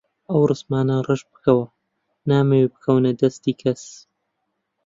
ئەو ڕەسمانە ڕەش بکەوە، نامەوێ بکەونە دەستی کەس.